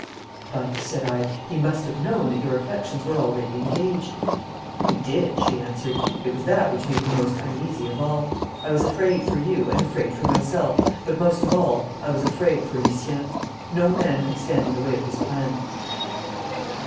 'But,' said I, 'he must have known that your affections were already engaged.' 'He did,' she answered; 'it was that which made me most uneasy of all. I was afraid for you and afraid for myself, but, most of all, I was afraid for Lucien. No man can stand in the way of his plans.'